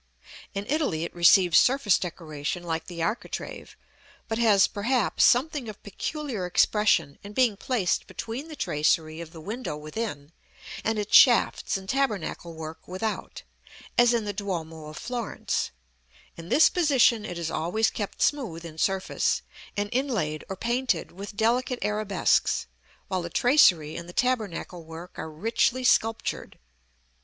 In Italy it receives surface decoration like the architrave, but has, perhaps, something of peculiar expression in being placed between the tracery of the window within, and its shafts and tabernacle work without, as in the Duomo of Florence: in this position it is always kept smooth in surface, and inlaid (or painted) with delicate arabesques; while the tracery and the tabernacle work are richly sculptured.